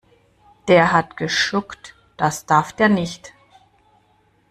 Der hat geschuckt, das darf der nicht.